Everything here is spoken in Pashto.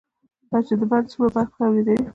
دا چې دا بند څومره برق تولیدوي،